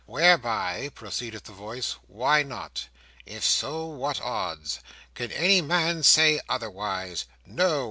"Whereby," proceeded the voice, "why not? If so, what odds? Can any man say otherwise? No.